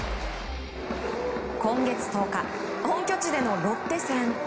今月１０日本拠地でのロッテ戦。